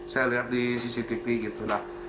saya lihat di cctv gitu lah